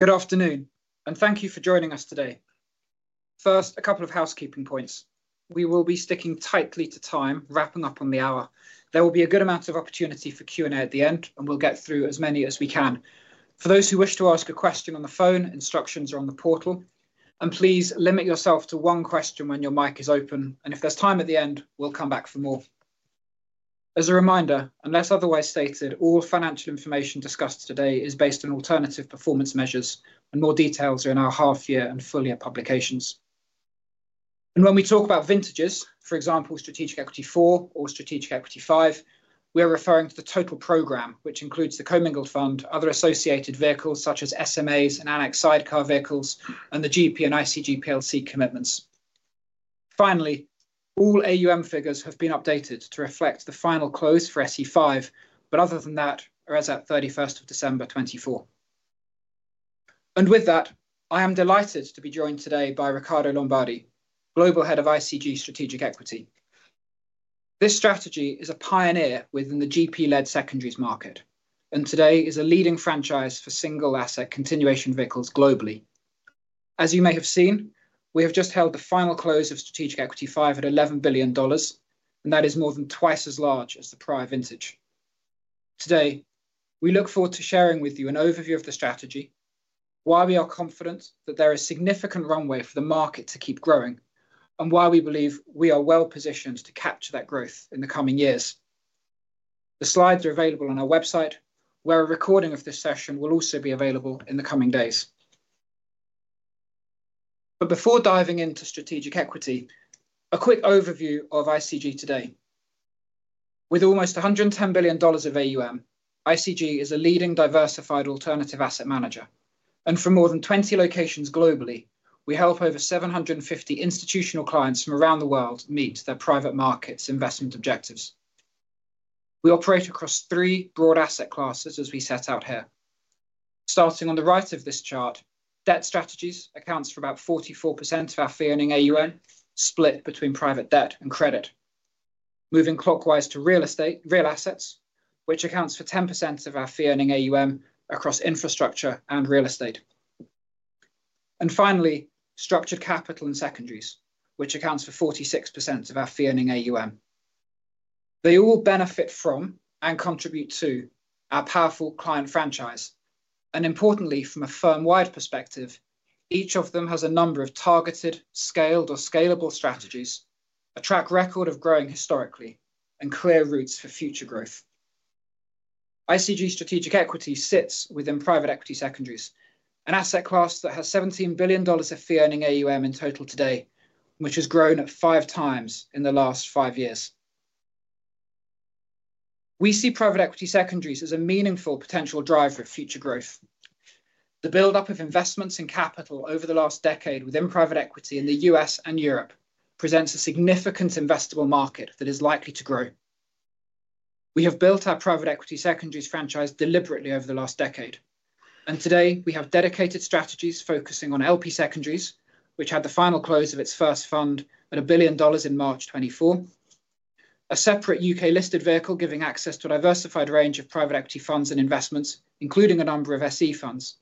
Good afternoon, and thank you for joining us today. First, a couple of housekeeping points. We will be sticking tightly to time, wrapping up on the hour. There will be a good amount of opportunity for Q&A at the end, and we'll get through as many as we can. For those who wish to ask a question on the phone, instructions are on the portal. And please limit yourself to one question when your mic is open, and if there's time at the end, we'll come back for more. As a reminder, unless otherwise stated, all financial information discussed today is based on alternative performance measures, and more details are in our half-year and full-year publications. When we talk about vintages, for example, Strategic Equity IV or Strategic Equity V, we are referring to the total program, which includes the Commingled Fund, other associated vehicles such as SMAs and Annex Sidecar Vehicles, and the GP and ICG PLC commitments. Finally, all AUM figures have been updated to reflect the final close for SE V, but other than that, we're as at 31st of December 2024. With that, I am delighted to be joined today by Ricardo Lombardi, Global Head of ICG Strategic Equity. This strategy is a pioneer within the GP-led secondaries market, and today is a leading franchise for single-asset continuation vehicles globally. As you may have seen, we have just held the final close of Strategic Equity V at $11 billion, and that is more than twice as large as the prior vintage. Today, we look forward to sharing with you an overview of the strategy, why we are confident that there is significant runway for the market to keep growing, and why we believe we are well positioned to capture that growth in the coming years. The slides are available on our website, where a recording of this session will also be available in the coming days. But before diving into Strategic Equity, a quick overview of ICG today. With almost $110 billion of AUM, ICG is a leading diversified alternative asset manager, and from more than 20 locations globally, we help over 750 institutional clients from around the world meet their private markets' investment objectives. We operate across three broad asset classes, as we set out here. Starting on the right of this chart, debt strategies accounts for about 44% of our fee-earning AUM, split between private debt and credit. Moving clockwise to real estate, real assets, which accounts for 10% of our fee-earning AUM across infrastructure and real estate, and finally, structured capital and secondaries, which accounts for 46% of our fee-earning AUM. They all benefit from and contribute to our powerful client franchise, and importantly, from a firm-wide perspective, each of them has a number of targeted, scaled, or scalable strategies, a track record of growing historically, and clear routes for future growth. ICG Strategic Equity sits within private equity secondaries, an asset class that has $17 billion of fee-earning AUM in total today, which has grown at five times in the last five years. We see private equity secondaries as a meaningful potential driver of future growth. The build-up of investments in capital over the last decade within private equity in the U.S. and Europe presents a significant investable market that is likely to grow. We have built our private equity secondaries franchise deliberately over the last decade, and today we have dedicated strategies focusing on LP secondaries, which had the final close of its first fund at $1 billion in March 2024, a separate U.K.-listed vehicle giving access to a diversified range of private equity funds and investments, including a number of SE funds,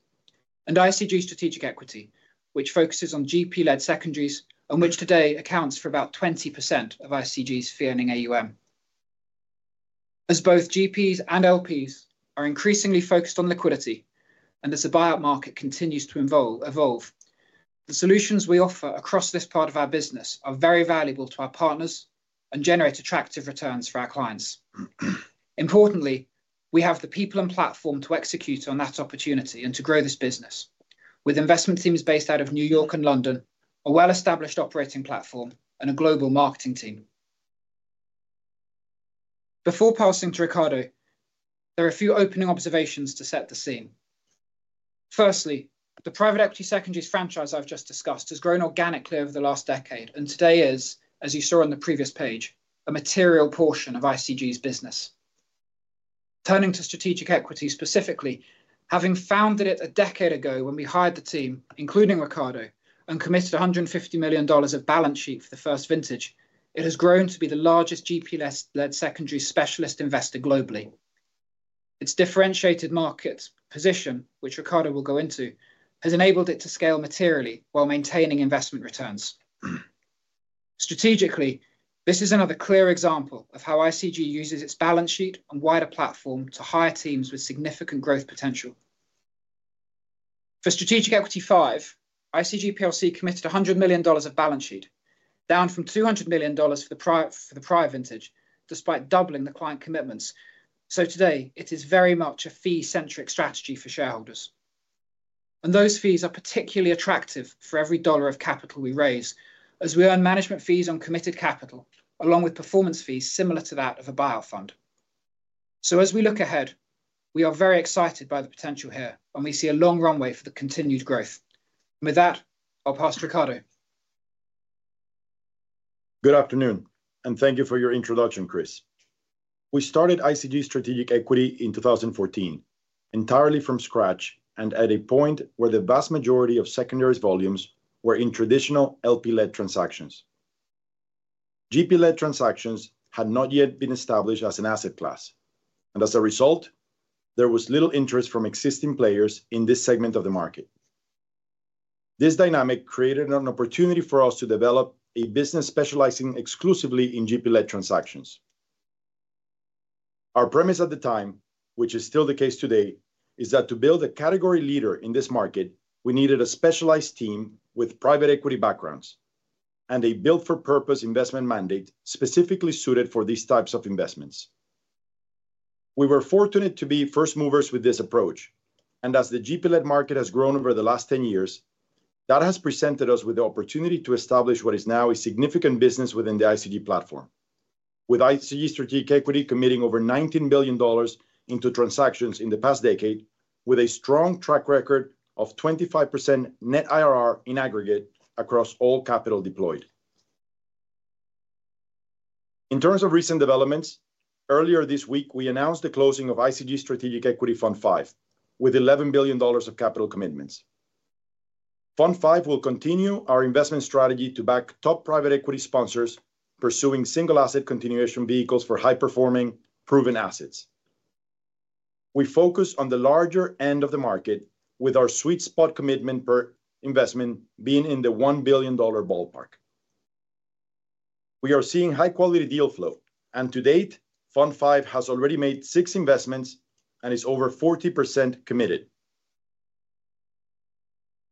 and ICG Strategic Equity, which focuses on GP-led secondaries, and which today accounts for about 20% of ICG's fee-earning AUM. As both GPs and LPs are increasingly focused on liquidity, and as the buyout market continues to evolve, the solutions we offer across this part of our business are very valuable to our partners and generate attractive returns for our clients. Importantly, we have the people and platform to execute on that opportunity and to grow this business, with investment teams based out of New York and London, a well-established operating platform, and a global marketing team. Before passing to Ricardo, there are a few opening observations to set the scene. Firstly, the private equity secondaries franchise I've just discussed has grown organically over the last decade, and today is, as you saw on the previous page, a material portion of ICG's business. Turning to Strategic Equity specifically, having founded it a decade ago when we hired the team, including Ricardo, and committed $150 million of balance sheet for the first vintage, it has grown to be the largest GP-led secondary specialist investor globally. Its differentiated market position, which Ricardo will go into, has enabled it to scale materially while maintaining investment returns. Strategically, this is another clear example of how ICG uses its balance sheet and wider platform to hire teams with significant growth potential. For Strategic Equity V, ICG PLC committed $100 million of balance sheet, down from $200 million for the prior vintage, despite doubling the client commitments. So today, it is very much a fee-centric strategy for shareholders. And those fees are particularly attractive for every dollar of capital we raise, as we earn management fees on committed capital, along with performance fees similar to that of a buyout fund. So as we look ahead, we are very excited by the potential here, and we see a long runway for the continued growth. With that, I'll pass to Ricardo. Good afternoon, and thank you for your introduction, Chris. We started ICG Strategic Equity in 2014, entirely from scratch and at a point where the vast majority of secondaries volumes were in traditional LP-led transactions. GP-led transactions had not yet been established as an asset class, and as a result, there was little interest from existing players in this segment of the market. This dynamic created an opportunity for us to develop a business specializing exclusively in GP-led transactions. Our premise at the time, which is still the case today, is that to build a category leader in this market, we needed a specialized team with private equity backgrounds and a built-for-purpose investment mandate specifically suited for these types of investments. We were fortunate to be first movers with this approach, and as the GP-led market has grown over the last 10 years, that has presented us with the opportunity to establish what is now a significant business within the ICG platform, with ICG Strategic Equity committing over $19 billion into transactions in the past decade, with a strong track record of 25% net IRR in aggregate across all capital deployed. In terms of recent developments, earlier this week, we announced the closing of ICG Strategic Equity Fund V, with $11 billion of capital commitments. Fund V will continue our investment strategy to back top private equity sponsors pursuing single-asset continuation vehicles for high-performing, proven assets. We focus on the larger end of the market, with our sweet spot commitment per investment being in the $1 billion ballpark. We are seeing high-quality deal flow, and to date, Fund V has already made six investments and is over 40% committed.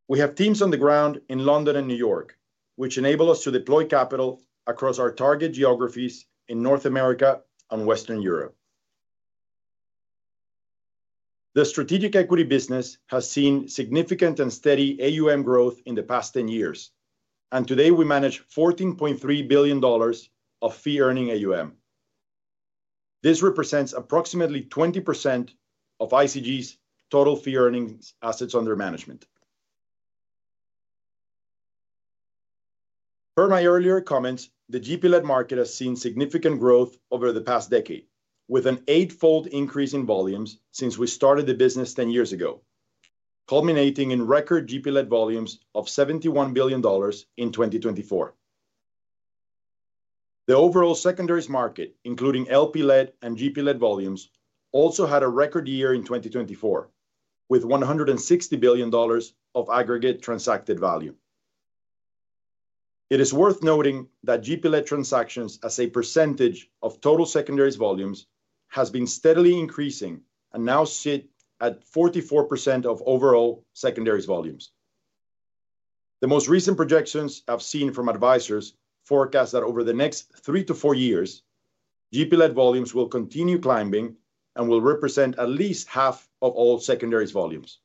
We have teams on the ground in London and New York, which enable us to deploy capital across our target geographies in North America and Western Europe. The Strategic Equity business has seen significant and steady AUM growth in the past 10 years, and today we manage $14.3 billion of fee-earning AUM. This represents approximately 20% of ICG's total fee-earning assets under management. Per my earlier comments, the GP-led market has seen significant growth over the past decade, with an eight-fold increase in volumes since we started the business 10 years ago, culminating in record GP-led volumes of $71 billion in 2024. The overall secondaries market, including LP-led and GP-led volumes, also had a record year in 2024, with $160 billion of aggregate transacted value. It is worth noting that GP-led transactions, as a percentage of total secondaries volumes, have been steadily increasing and now sit at 44% of overall secondaries volumes. The most recent projections I've seen from advisors forecast that over the next three to four years, GP-led volumes will continue climbing and will represent at least half of all secondaries volumes.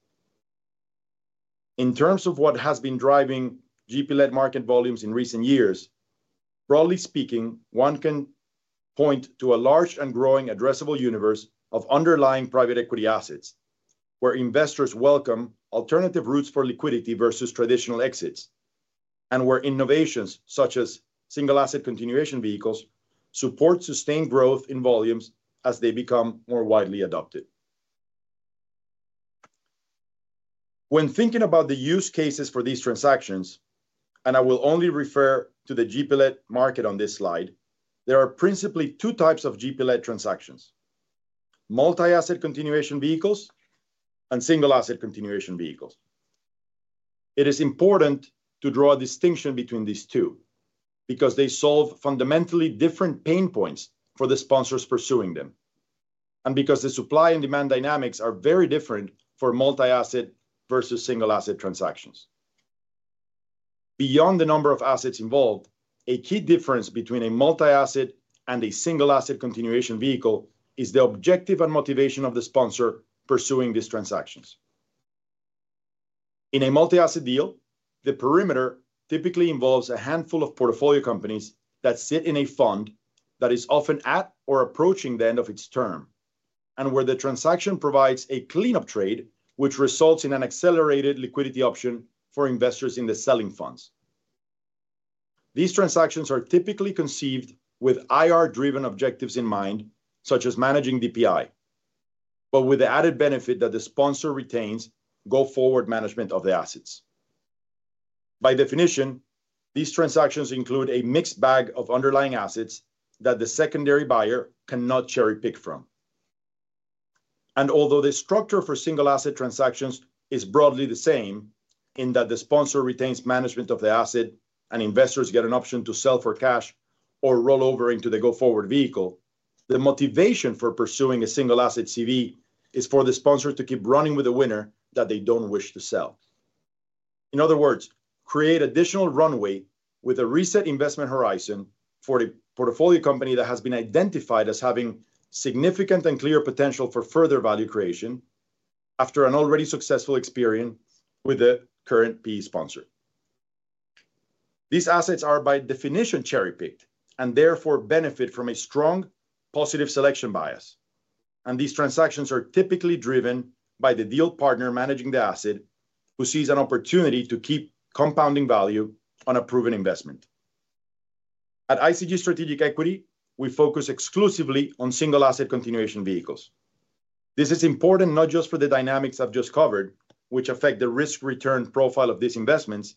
In terms of what has been driving GP-led market volumes in recent years, broadly speaking, one can point to a large and growing addressable universe of underlying private equity assets, where investors welcome alternative routes for liquidity versus traditional exits, and where innovations such as single-asset continuation vehicles support sustained growth in volumes as they become more widely adopted. When thinking about the use cases for these transactions, and I will only refer to the GP-led market on this slide, there are principally two types of GP-led transactions: multi-asset continuation vehicles and single-asset continuation vehicles. It is important to draw a distinction between these two because they solve fundamentally different pain points for the sponsors pursuing them, and because the supply and demand dynamics are very different for multi-asset versus single-asset transactions. Beyond the number of assets involved, a key difference between a multi-asset and a single-asset continuation vehicle is the objective and motivation of the sponsor pursuing these transactions. In a multi-asset deal, the perimeter typically involves a handful of portfolio companies that sit in a fund that is often at or approaching the end of its term, and where the transaction provides a clean-up trade, which results in an accelerated liquidity option for investors in the selling funds. These transactions are typically conceived with IR-driven objectives in mind, such as managing DPI, but with the added benefit that the sponsor retains go forward management of the assets. By definition, these transactions include a mixed bag of underlying assets that the secondary buyer cannot cherry-pick from. Although the structure for single-asset transactions is broadly the same in that the sponsor retains management of the asset and investors get an option to sell for cash or roll over into the go forward vehicle, the motivation for pursuing a single-asset CV is for the sponsor to keep running with a winner that they don't wish to sell. In other words, create additional runway with a reset investment horizon for a portfolio company that has been identified as having significant and clear potential for further value creation after an already successful experience with the current PE sponsor. These assets are by definition cherry-picked and therefore benefit from a strong positive selection bias, and these transactions are typically driven by the deal partner managing the asset, who sees an opportunity to keep compounding value on a proven investment. At ICG Strategic Equity, we focus exclusively on single-asset continuation vehicles. This is important not just for the dynamics I've just covered, which affect the risk-return profile of these investments,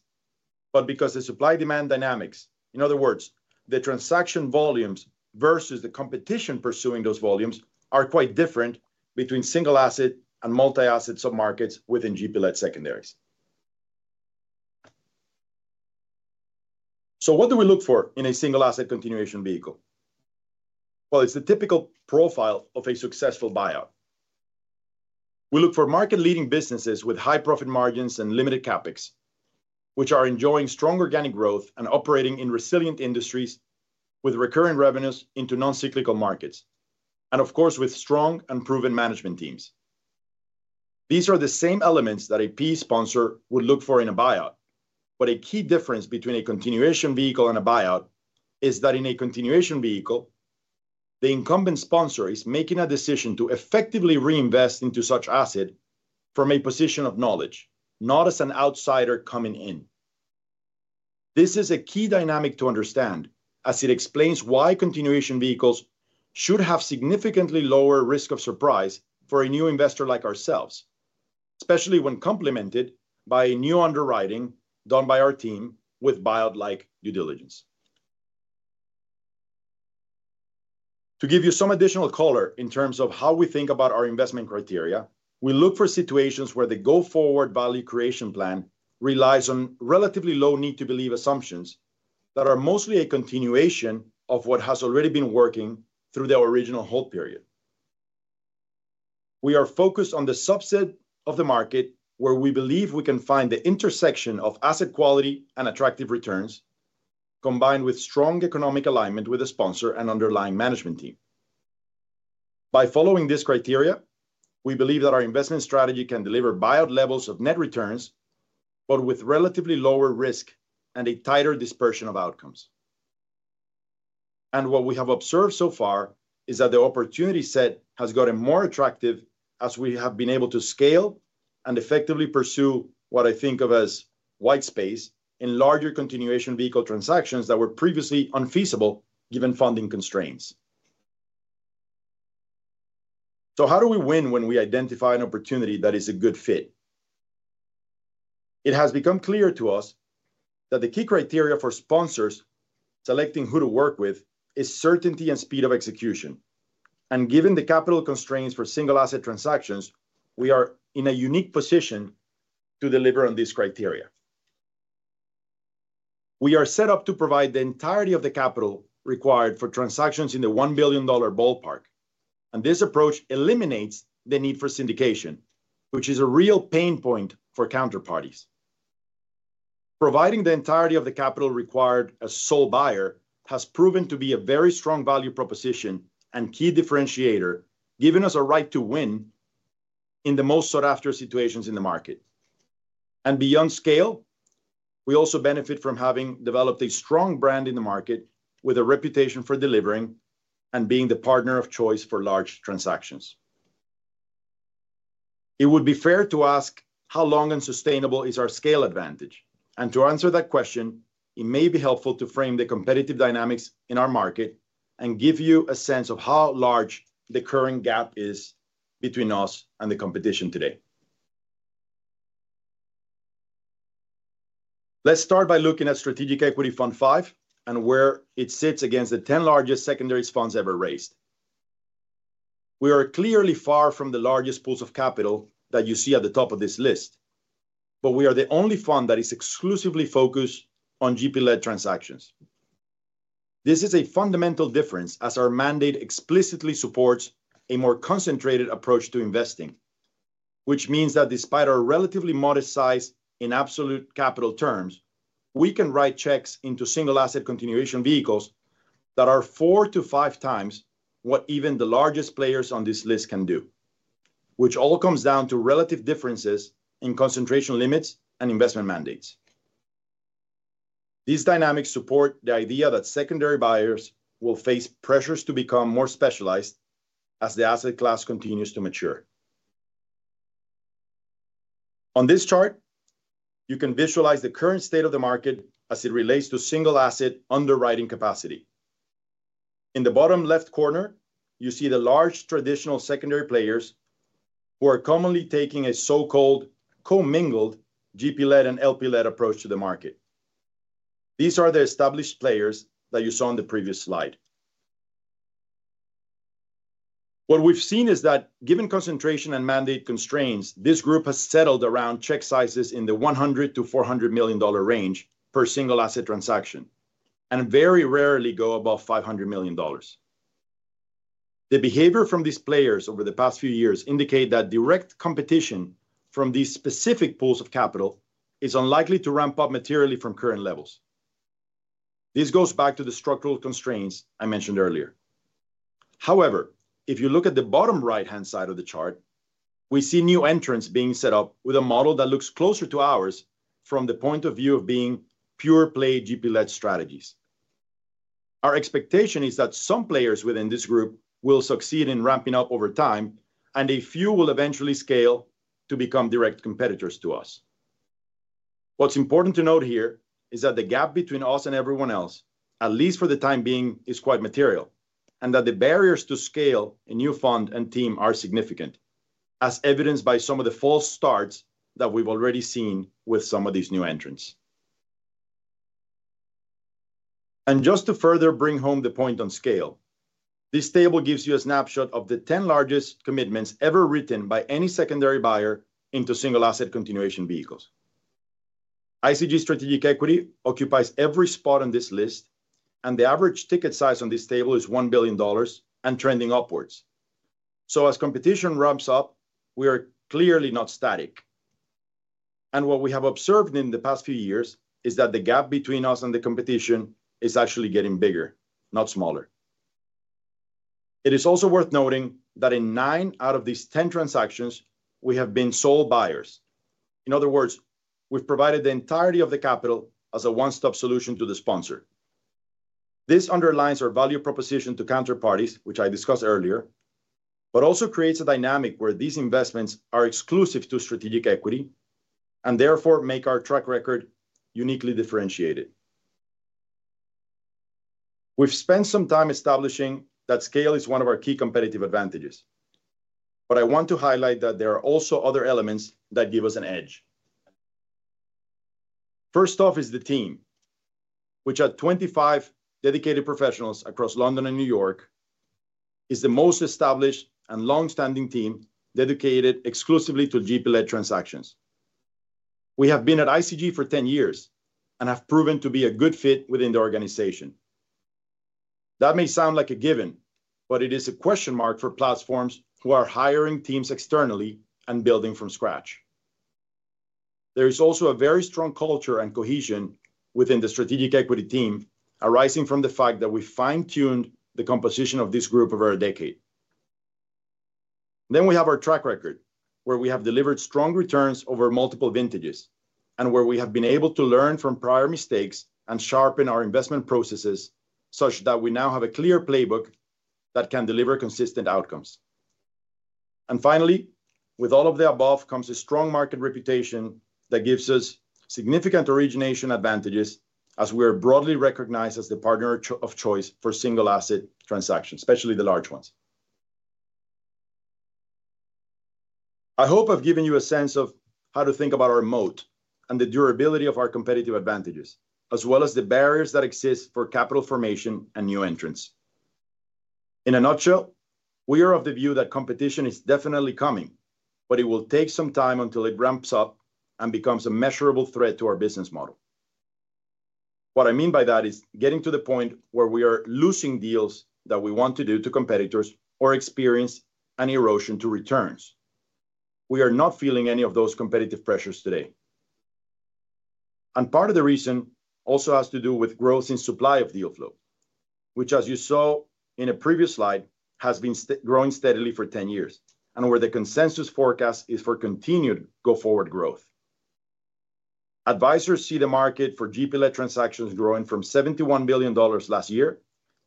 but because the supply-demand dynamics, in other words, the transaction volumes versus the competition pursuing those volumes, are quite different between single-asset and multi-asset sub-markets within GP-led secondaries. So what do we look for in a single-asset continuation vehicle? Well, it's the typical profile of a successful buyout. We look for market-leading businesses with high profit margins and limited CapEx, which are enjoying strong organic growth and operating in resilient industries with recurring revenues into non-cyclical markets, and of course, with strong and proven management teams. These are the same elements that a PE sponsor would look for in a buyout, but a key difference between a continuation vehicle and a buyout is that in a continuation vehicle, the incumbent sponsor is making a decision to effectively reinvest into such asset from a position of knowledge, not as an outsider coming in. This is a key dynamic to understand as it explains why continuation vehicles should have significantly lower risk of surprise for a new investor like ourselves, especially when complemented by a new underwriting done by our team with buyout-like due diligence. To give you some additional color in terms of how we think about our investment criteria, we look for situations where the go forward value creation plan relies on relatively low need-to-believe assumptions that are mostly a continuation of what has already been working through the original hold period. We are focused on the subset of the market where we believe we can find the intersection of asset quality and attractive returns combined with strong economic alignment with the sponsor and underlying management team. By following this criteria, we believe that our investment strategy can deliver buyout levels of net returns, but with relatively lower risk and a tighter dispersion of outcomes. And what we have observed so far is that the opportunity set has gotten more attractive as we have been able to scale and effectively pursue what I think of as white space in larger continuation vehicle transactions that were previously unfeasible given funding constraints. So how do we win when we identify an opportunity that is a good fit? It has become clear to us that the key criteria for sponsors selecting who to work with is certainty and speed of execution. And given the capital constraints for single-asset transactions, we are in a unique position to deliver on these criteria. We are set up to provide the entirety of the capital required for transactions in the $1 billion ballpark, and this approach eliminates the need for syndication, which is a real pain point for counterparties. Providing the entirety of the capital required as sole buyer has proven to be a very strong value proposition and key differentiator, giving us a right to win in the most sought-after situations in the market. And beyond scale, we also benefit from having developed a strong brand in the market with a reputation for delivering and being the partner of choice for large transactions. It would be fair to ask how long and sustainable is our scale advantage, and to answer that question, it may be helpful to frame the competitive dynamics in our market and give you a sense of how large the current gap is between us and the competition today. Let's start by looking at Strategic Equity Fund V and where it sits against the 10 largest secondaries funds ever raised. We are clearly far from the largest pools of capital that you see at the top of this list, but we are the only fund that is exclusively focused on GP-led transactions. This is a fundamental difference as our mandate explicitly supports a more concentrated approach to investing, which means that despite our relatively modest size in absolute capital terms, we can write checks into single-asset continuation vehicles that are 4x-5x hat even the largest players on this list can do, which all comes down to relative differences in concentration limits and investment mandates. These dynamics support the idea that secondary buyers will face pressures to become more specialized as the asset class continues to mature. On this chart, you can visualize the current state of the market as it relates to single-asset underwriting capacity. In the bottom left corner, you see the large traditional secondary players who are commonly taking a so-called commingled GP-led and LP-led approach to the market. These are the established players that you saw on the previous slide. What we've seen is that given concentration and mandate constraints, this group has settled around check sizes in the $100 million-$400 million range per single-asset transaction and very rarely go above $500 million. The behavior from these players over the past few years indicates that direct competition from these specific pools of capital is unlikely to ramp up materially from current levels. This goes back to the structural constraints I mentioned earlier. However, if you look at the bottom right-hand side of the chart, we see new entrants being set up with a model that looks closer to ours from the point of view of being pure-play GP-led strategies. Our expectation is that some players within this group will succeed in ramping up over time, and a few will eventually scale to become direct competitors to us. What's important to note here is that the gap between us and everyone else, at least for the time being, is quite material, and that the barriers to scale a new fund and team are significant, as evidenced by some of the false starts that we've already seen with some of these new entrants, and just to further bring home the point on scale, this table gives you a snapshot of the 10 largest commitments ever written by any secondary buyer into single-asset continuation vehicles. ICG Strategic Equity occupies every spot on this list, and the average ticket size on this table is $1 billion and trending upwards, so as competition ramps up, we are clearly not static, and what we have observed in the past few years is that the gap between us and the competition is actually getting bigger, not smaller. It is also worth noting that in nine out of these 10 transactions, we have been sole buyers. In other words, we've provided the entirety of the capital as a one-stop solution to the sponsor. This underlines our value proposition to counterparties, which I discussed earlier, but also creates a dynamic where these investments are exclusive to Strategic Equity and therefore make our track record uniquely differentiated. We've spent some time establishing that scale is one of our key competitive advantages, but I want to highlight that there are also other elements that give us an edge. First off is the team, which at 25 dedicated professionals across London and New York is the most established and long-standing team dedicated exclusively to GP-led transactions. We have been at ICG for 10 years and have proven to be a good fit within the organization. That may sound like a given, but it is a question mark for platforms who are hiring teams externally and building from scratch. There is also a very strong culture and cohesion within the Strategic Equity team arising from the fact that we fine-tuned the composition of this group over a decade. Then we have our track record, where we have delivered strong returns over multiple vintages and where we have been able to learn from prior mistakes and sharpen our investment processes such that we now have a clear playbook that can deliver consistent outcomes. And finally, with all of the above comes a strong market reputation that gives us significant origination advantages as we are broadly recognized as the partner of choice for single-asset transactions, especially the large ones. I hope I've given you a sense of how to think about our moat and the durability of our competitive advantages, as well as the barriers that exist for capital formation and new entrants. In a nutshell, we are of the view that competition is definitely coming, but it will take some time until it ramps up and becomes a measurable threat to our business model. What I mean by that is getting to the point where we are losing deals that we want to do to competitors or experience an erosion to returns. We are not feeling any of those competitive pressures today, and part of the reason also has to do with growth in supply of deal flow, which, as you saw in a previous slide, has been growing steadily for 10 years and where the consensus forecast is for continued go forward growth. Advisors see the market for GP-led transactions growing from $71 billion last year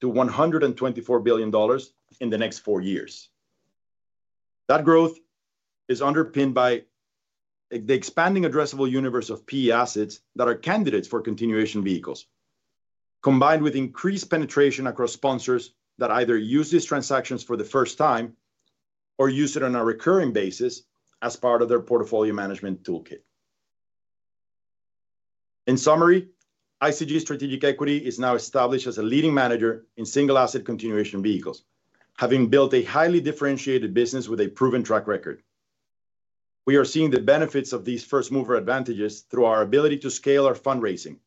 to $124 billion in the next four years. That growth is underpinned by the expanding addressable universe of PE assets that are candidates for continuation vehicles, combined with increased penetration across sponsors that either use these transactions for the first time or use it on a recurring basis as part of their portfolio management toolkit. In summary, ICG Strategic Equity is now established as a leading manager in single-asset continuation vehicles, having built a highly differentiated business with a proven track record. We are seeing the benefits of these first-mover advantages through our ability to scale our fundraising,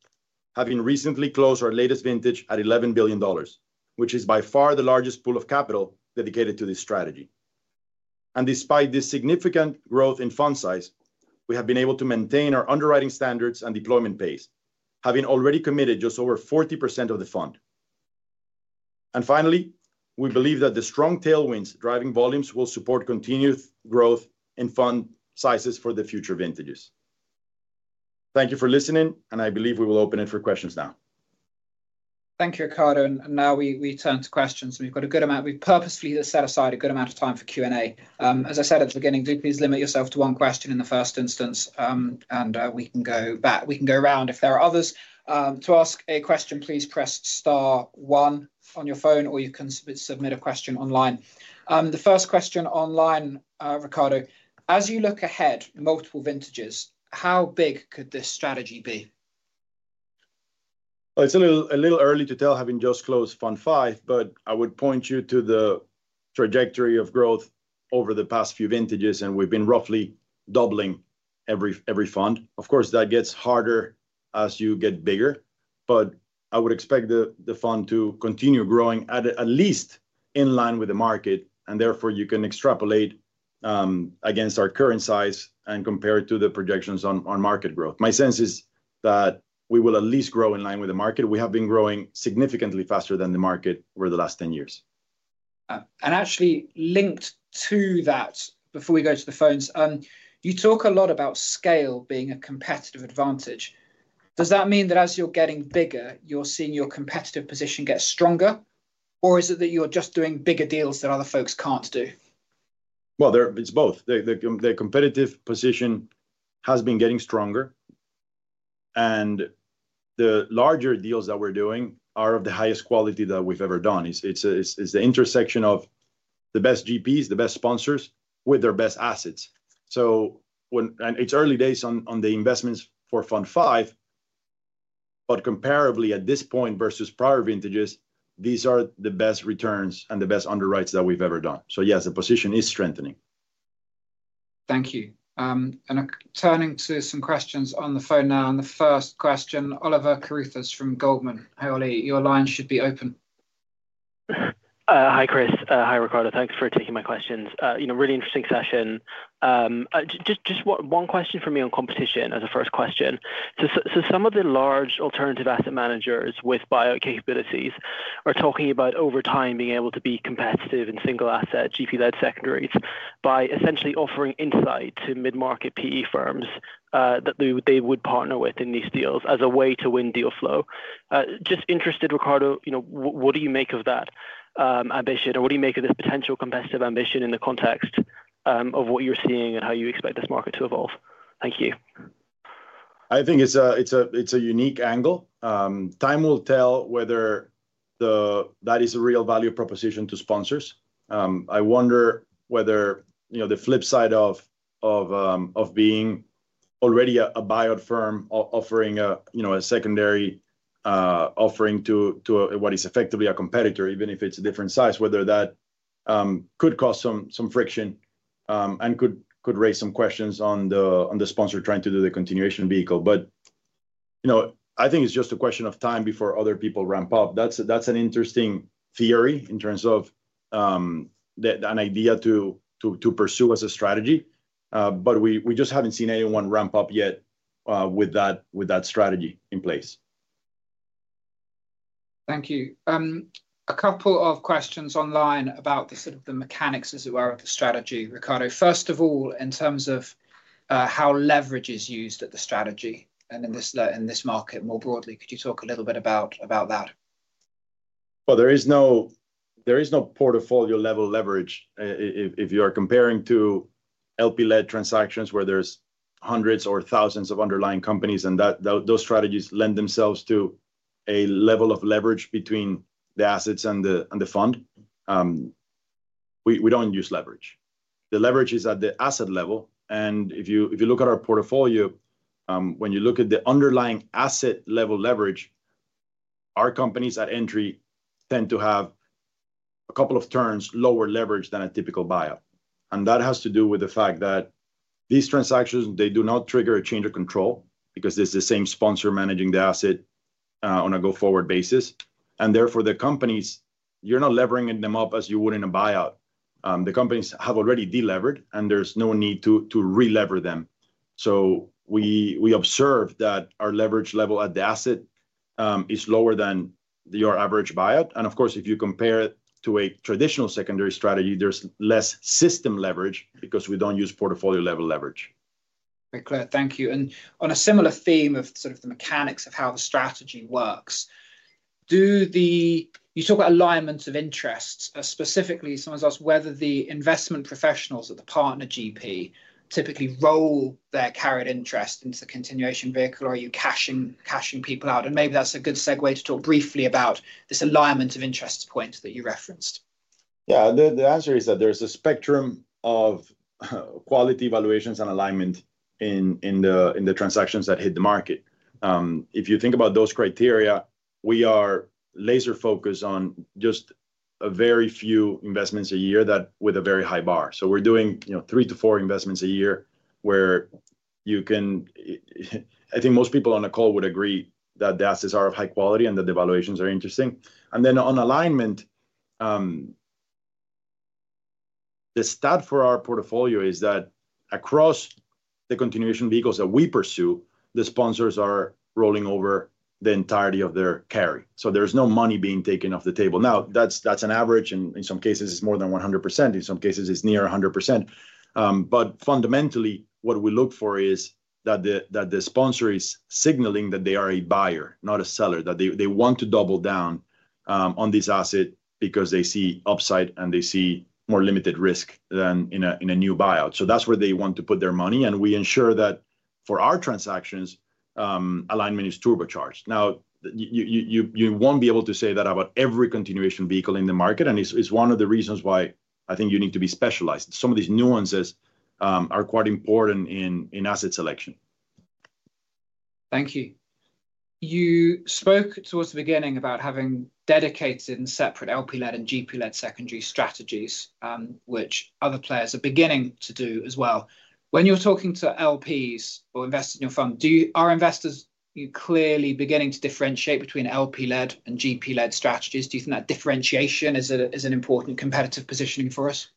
having recently closed our latest vintage at $11 billion, which is by far the largest pool of capital dedicated to this strategy. And despite this significant growth in fund size, we have been able to maintain our underwriting standards and deployment pace, having already committed just over 40% of the fund. And finally, we believe that the strong tailwinds driving volumes will support continued growth in fund sizes for the future vintages. Thank you for listening, and I believe we will open it for questions now. Thank you, Ricardo. And now we turn to questions. We've got a good amount. We've purposefully set aside a good amount of time for Q&A. As I said at the beginning, do please limit yourself to one question in the first instance, and we can go back. We can go around. If there are others to ask a question, please press star one on your phone, or you can submit a question online. The first question online, Ricardo, as you look ahead to multiple vintages, how big could this strategy be? It's a little early to tell, having just closedFund V, but I would point you to the trajectory of growth over the past few vintages, and we've been roughly doubling every fund. Of course, that gets harder as you get bigger, but I would expect the fund to continue growing at least in line with the market, and therefore you can extrapolate against our current size and compare it to the projections on market growth. My sense is that we will at least grow in line with the market. We have been growing significantly faster than the market over the last 10 years. And actually, linked to that, before we go to the phones, you talk a lot about scale being a competitive advantage. Does that mean that as you're getting bigger, you're seeing your competitive position get stronger, or is it that you're just doing bigger deals that other folks can't do? Well, it's both. The competitive position has been getting stronger, and the larger deals that we're doing are of the highest quality that we've ever done. It's the intersection of the best GPs, the best sponsors with their best assets. So it's early days on the investments for Fund V,` but comparably at this point versus prior vintages, these are the best returns and the best underwrites that we've ever done. So yes, the position is strengthening. Thank you. And turning to some questions on the phone now, and the first question, Oliver Carruthers from Goldman. Hey, Ollie, your line should be open. Hi, Chris. Hi, Ricardo. Thanks for taking my questions. Really interesting session. Just one question from me on competition as a first question. So some of the large alternative asset managers with buyout capabilities are talking about over time being able to be competitive in single-asset GP-led secondaries by essentially offering insight to mid-market PE firms that they would partner with in these deals as a way to win deal flow. Just interested, Ricardo, what do you make of that ambition, or what do you make of this potential competitive ambition in the context of what you're seeing and how you expect this market to evolve? Thank you. I think it's a unique angle. Time will tell whether that is a real value proposition to sponsors. I wonder whether the flip side of being already a buyout firm offering a secondary offering to what is effectively a competitor, even if it's a different size, whether that could cause some friction and could raise some questions on the sponsor trying to do the continuation vehicle. But I think it's just a question of time before other people ramp up. That's an interesting theory in terms of an idea to pursue as a strategy, but we just haven't seen anyone ramp up yet with that strategy in place. Thank you. A couple of questions online about the mechanics as it were of the strategy, Ricardo. First of all, in terms of how leverage is used at the strategy and in this market more broadly, could you talk a little bit about that? Well, there is no portfolio-level leverage. If you are comparing to LP-led transactions where there's hundreds or thousands of underlying companies and those strategies lend themselves to a level of leverage between the assets and the fund, we don't use leverage. The leverage is at the asset level. And if you look at our portfolio, when you look at the underlying asset-level leverage, our companies at entry tend to have a couple of turns lower leverage than a typical buyout. And that has to do with the fact that these transactions, they do not trigger a change of control because it's the same sponsor managing the asset on a go forward basis. And therefore, the companies, you're not levering them up as you would in a buyout. The companies have already deleveraged, and there's no need to re-leverage them. So we observe that our leverage level at the asset is lower than your average buyout. And of course, if you compare it to a traditional secondary strategy, there's less system leverage because we don't use portfolio-level leverage. Okay, Claire, thank you. And on a similar theme of sort of the mechanics of how the strategy works, you talk about alignment of interests. Specifically, someone's asked whether the investment professionals at the partner GP typically roll their carried interest into the continuation vehicle, or are you cashing people out? And maybe that's a good segue to talk briefly about this alignment of interest points that you referenced. Yeah, the answer is that there's a spectrum of quality evaluations and alignment in the transactions that hit the market. If you think about those criteria, we are laser-focused on just a very few investments a year with a very high bar. We're doing three to four investments a year where you can, I think most people on the call would agree that the assets are of high quality and that the valuations are interesting, and then on alignment, the stat for our portfolio is that across the continuation vehicles that we pursue, the sponsors are rolling over the entirety of their carry, so there's no money being taken off the table. Now, that's an average, and in some cases, it's more than 100%. In some cases, it's near 100%, but fundamentally, what we look for is that the sponsor is signaling that they are a buyer, not a seller, that they want to double down on this asset because they see upside and they see more limited risk than in a new buyout, so that's where they want to put their money. We ensure that for our transactions, alignment is turbocharged. Now, you won't be able to say that about every continuation vehicle in the market, and it's one of the reasons why I think you need to be specialized. Some of these nuances are quite important in asset selection. Thank you. You spoke towards the beginning about having dedicated and separate LP-led and GP-led secondary strategies, which other players are beginning to do as well. When you're talking to LPs or investors in your fund, are investors clearly beginning to differentiate between LP-led and GP-led strategies? Do you think that differentiation is an important competitive positioning for us?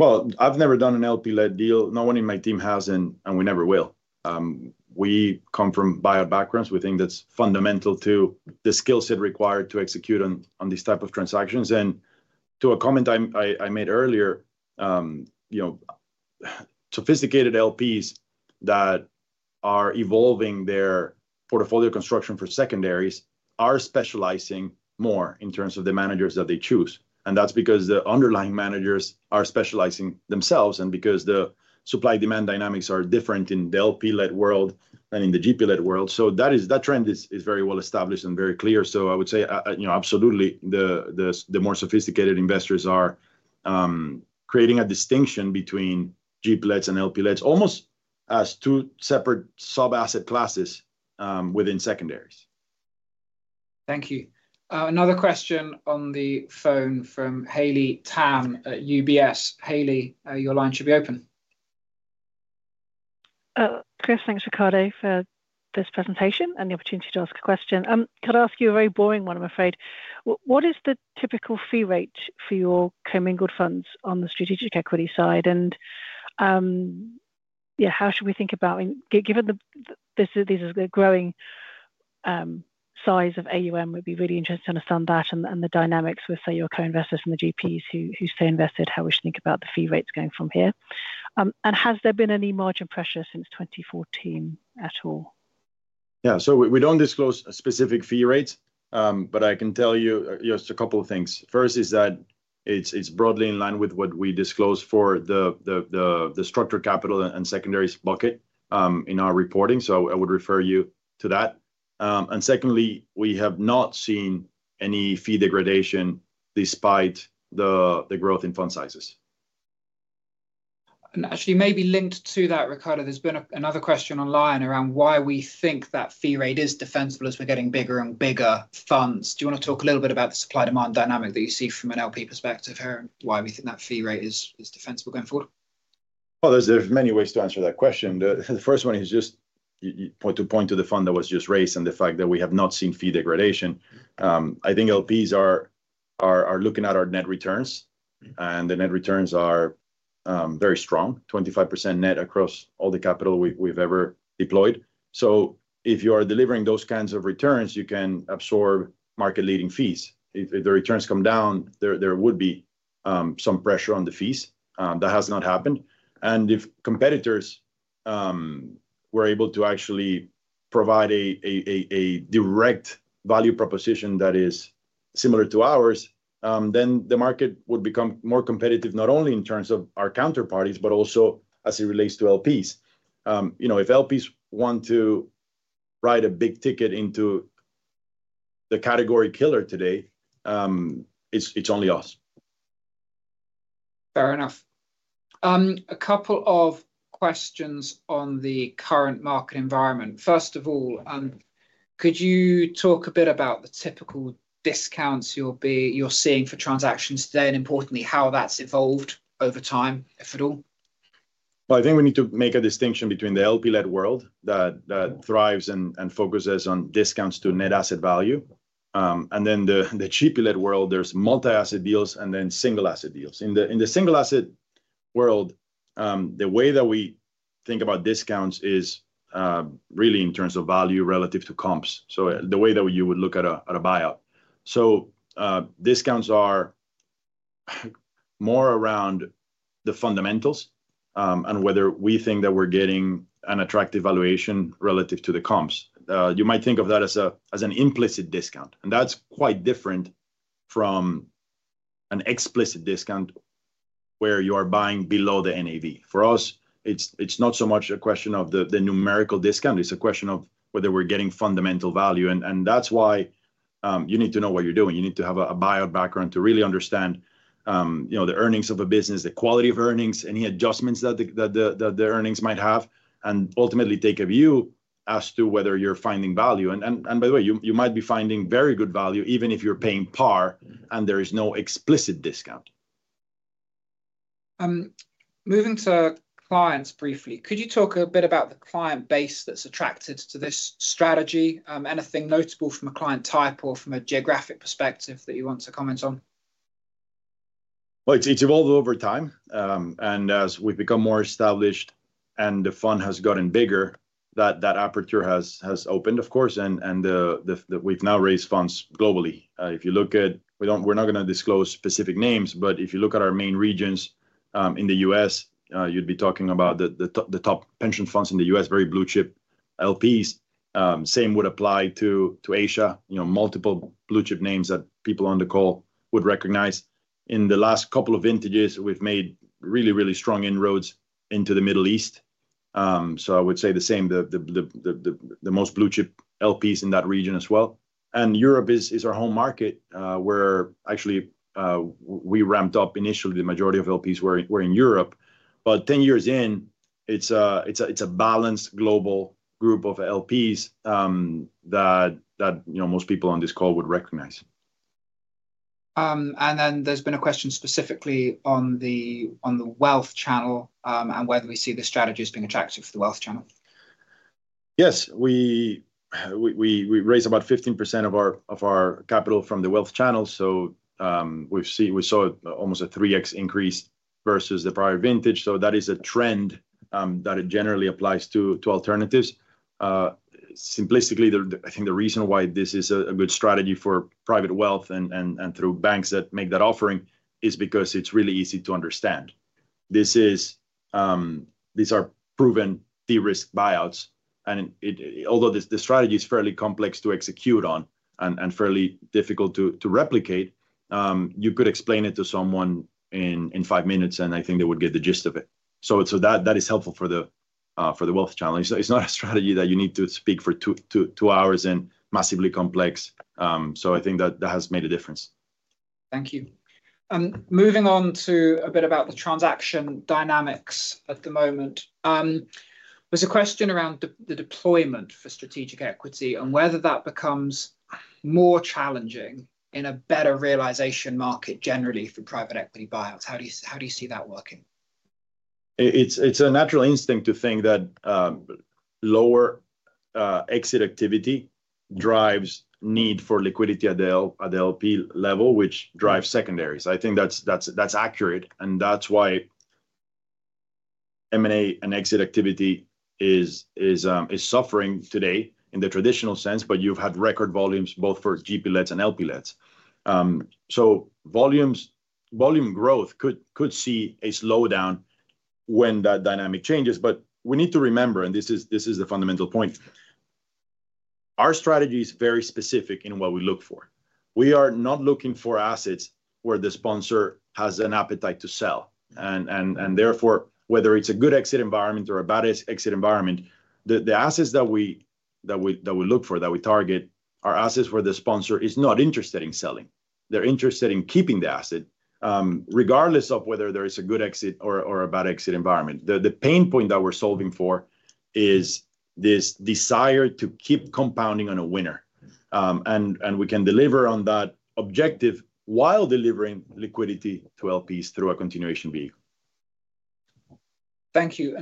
I've never done an LP-led deal. No one in my team has, and we never will. We come from buyout backgrounds. We think that's fundamental to the skill set required to execute on these types of transactions. And to a comment I made earlier, sophisticated LPs that are evolving their portfolio construction for secondaries are specializing more in terms of the managers that they choose. And that's because the underlying managers are specializing themselves and because the supply-demand dynamics are different in the LP-led world than in the GP-led world. So that trend is very well established and very clear. So I would say absolutely the more sophisticated investors are creating a distinction between GP-leds and LP-leds, almost as two separate sub-asset classes within secondaries. Thank you. Another question on the phone from Haley Tam at UBS. Haley, your line should be open. Chris, thanks, Ricardo, for this presentation and the opportunity to ask a question. Could I ask you a very boring one, I'm afraid? What is the typical fee rate for your commingled funds on the strategic equity side? Yeah, how should we think about, given that this is a growing size of AUM, we'd be really interested to understand that and the dynamics with, say, your co-investors from the GPs who stay invested, how we should think about the fee rates going from here? And has there been any margin pressure since 2014 at all? Yeah, so we don't disclose specific fee rates, but I can tell you just a couple of things. First is that it's broadly in line with what we disclose for the structured capital and secondaries bucket in our reporting, so I would refer you to that. And secondly, we have not seen any fee degradation despite the growth in fund sizes. And actually, maybe linked to that, Ricardo, there's been another question online around why we think that fee rate is defensible as we're getting bigger and bigger funds. Do you want to talk a little bit about the supply-demand dynamic that you see from an LP perspective here and why we think that fee rate is defensible going forward? Well, there's many ways to answer that question. The first one is just to point to the fund that was just raised and the fact that we have not seen fee degradation. I think LPs are looking at our net returns, and the net returns are very strong, 25% net across all the capital we've ever deployed. So if you are delivering those kinds of returns, you can absorb market-leading fees. If the returns come down, there would be some pressure on the fees. That has not happened. If competitors were able to actually provide a direct value proposition that is similar to ours, then the market would become more competitive not only in terms of our counterparties, but also as it relates to LPs. If LPs want to write a big ticket into the category killer today, it's only us. Fair enough. A couple of questions on the current market environment. First of all, could you talk a bit about the typical discounts you're seeing for transactions today and, importantly, how that's evolved over time, if at all? Well, I think we need to make a distinction between the LP-led world that thrives and focuses on discounts to net asset value. Then the GP-led world, there's multi-asset deals and then single-asset deals. In the single-asset world, the way that we think about discounts is really in terms of value relative to comps, so the way that you would look at a buyout. So discounts are more around the fundamentals and whether we think that we're getting an attractive valuation relative to the comps. You might think of that as an implicit discount, and that's quite different from an explicit discount where you are buying below the NAV. For us, it's not so much a question of the numerical discount. It's a question of whether we're getting fundamental value. And that's why you need to know what you're doing. You need to have a buyout background to really understand the earnings of a business, the quality of earnings, any adjustments that the earnings might have, and ultimately take a view as to whether you're finding value. By the way, you might be finding very good value even if you're paying par and there is no explicit discount. Moving to clients briefly, could you talk a bit about the client base that's attracted to this strategy? Anything notable from a client type or from a geographic perspective that you want to comment on? It's evolved over time. As we've become more established and the fund has gotten bigger, that aperture has opened, of course, and we've now raised funds globally. If you look at, we're not going to disclose specific names, but if you look at our main regions in the U.S., you'd be talking about the top pension funds in the U.S., very blue-chip LPs. Same would apply to Asia, multiple blue-chip names that people on the call would recognize. In the last couple of vintages, we've made really, really strong inroads into the Middle East. So I would say the same, the most blue-chip LPs in that region as well. And Europe is our home market where actually we ramped up initially. The majority of LPs were in Europe. But 10 years in, it's a balanced global group of LPs that most people on this call would recognize. And then there's been a question specifically on the wealth channel and whether we see the strategy as being attractive for the wealth channel. Yes, we raised about 15% of our capital from the wealth channel. So we saw almost a 3x increase versus the prior vintage. So that is a trend that generally applies to alternatives. Simplistically, I think the reason why this is a good strategy for private wealth and through banks that make that offering is because it's really easy to understand. These are proven de-risk buyouts, and although the strategy is fairly complex to execute on and fairly difficult to replicate, you could explain it to someone in five minutes, and I think they would get the gist of it, so that is helpful for the wealth channel. It's not a strategy that you need to speak for two hours and massively complex, so I think that has made a difference. Thank you. Moving on to a bit about the transaction dynamics at the moment. There's a question around the deployment for strategic equity and whether that becomes more challenging in a better realization market generally for private equity buyouts. How do you see that working? It's a natural instinct to think that lower exit activity drives need for liquidity at the LP level, which drives secondaries. I think that's accurate. And that's why M&A and exit activity is suffering today in the traditional sense, but you've had record volumes both for GP-leds and LP-leds. So volume growth could see a slowdown when that dynamic changes. But we need to remember, and this is the fundamental point, our strategy is very specific in what we look for. We are not looking for assets where the sponsor has an appetite to sell. And therefore, whether it's a good exit environment or a bad exit environment, the assets that we look for, that we target, are assets where the sponsor is not interested in selling. They're interested in keeping the asset, regardless of whether there is a good exit or a bad exit environment. The pain point that we're solving for is this desire to keep compounding on a winner. And we can deliver on that objective while delivering liquidity to LPs through a continuation vehicle. Thank you.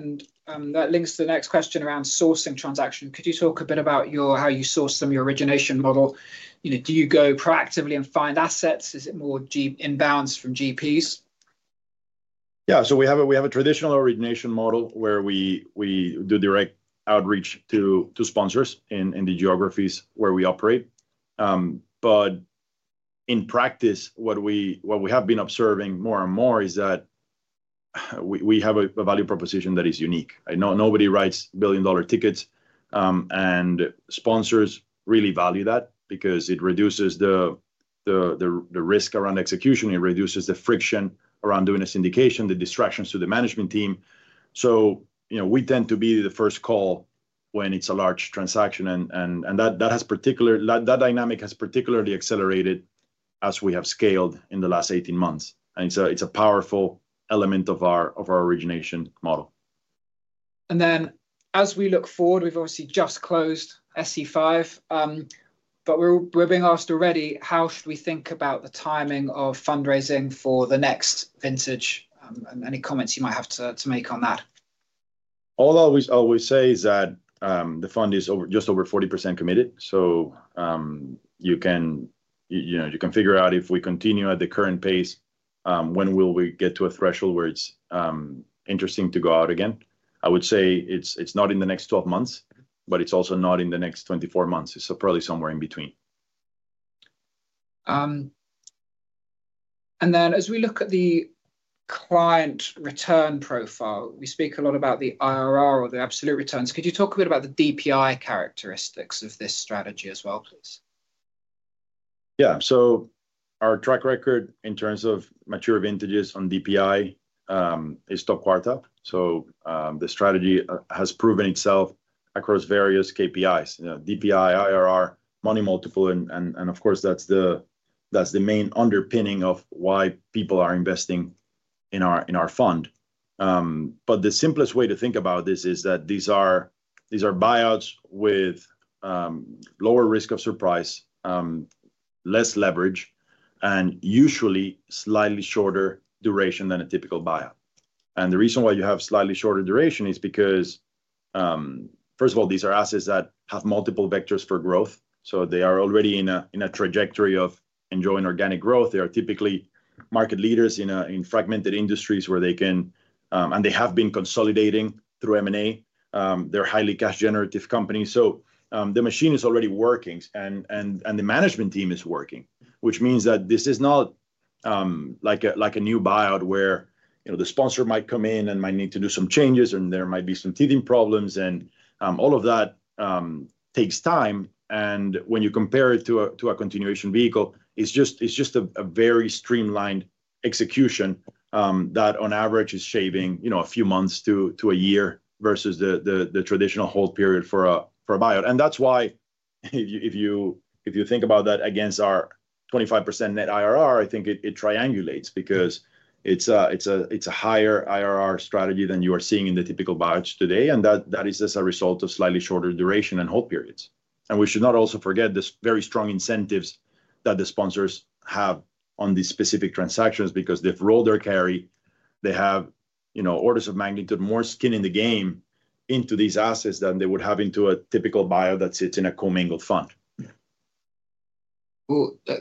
And that links to the next question around sourcing transaction. Could you talk a bit about how you source from your origination model? Do you go proactively and find assets? Is it more inbounds from GPs? Yeah. So we have a traditional origination model where we do direct outreach to sponsors in the geographies where we operate. But in practice, what we have been observing more and more is that we have a value proposition that is unique. Nobody writes billion-dollar tickets. And sponsors really value that because it reduces the risk around execution. It reduces the friction around doing a syndication, the distractions to the management team. We tend to be the first call when it's a large transaction. That dynamic has particularly accelerated as we have scaled in the last 18 months. It's a powerful element of our origination model. Then as we look forward, we've obviously just closed SEV. We're being asked already, how should we think about the timing of fundraising for the next vintage? Any comments you might have to make on that? All I will say is that the fund is just over 40% committed. You can figure out if we continue at the current pace, when will we get to a threshold where it's interesting to go out again? I would say it's not in the next 12 months, but it's also not in the next 24 months. It's probably somewhere in between. And then as we look at the client return profile, we speak a lot about the IRR or the absolute returns. Could you talk a bit about the DPI characteristics of this strategy as well, please? Yeah. So our track record in terms of mature vintages on DPI is top quartile. So the strategy has proven itself across various KPIs: DPI, IRR, money multiple. And of course, that's the main underpinning of why people are investing in our fund. But the simplest way to think about this is that these are buyouts with lower risk of surprise, less leverage, and usually slightly shorter duration than a typical buyout. And the reason why you have slightly shorter duration is because, first of all, these are assets that have multiple vectors for growth. So they are already in a trajectory of enjoying organic growth. They are typically market leaders in fragmented industries where they can, and they have been consolidating through M&A. They're highly cash-generative companies, so the machine is already working, and the management team is working, which means that this is not like a new buyout where the sponsor might come in and might need to do some changes, and there might be some teething problems, and all of that takes time, and when you compare it to a continuation vehicle, it's just a very streamlined execution that, on average, is shaving a few months to a year versus the traditional hold period for a buyout, and that's why if you think about that against our 25% net IRR, I think it triangulates because it's a higher IRR strategy than you are seeing in the typical buyouts today, and that is just a result of slightly shorter duration and hold periods. And we should not also forget the very strong incentives that the sponsors have on these specific transactions because they've rolled their carry. They have orders of magnitude more skin in the game into these assets than they would have into a typical buyout that sits in a commingled fund.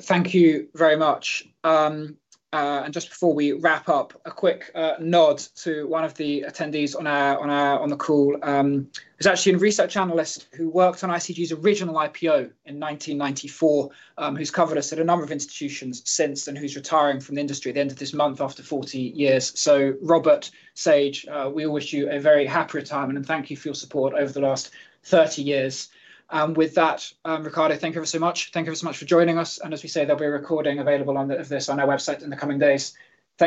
Thank you very much. And just before we wrap up, a quick nod to one of the attendees on the call. It's actually a research analyst who worked on ICG's original IPO in 1994, who's covered us at a number of institutions since and who's retiring from the industry at the end of this month after 40 years. So, Robert Sage, we wish you a very happy retirement and thank you for your support over the last 30 years. And with that, Ricardo, thank you ever so much. Thank you ever so much for joining us. As we say, there'll be a recording available of this on our website in the coming days. Thank you.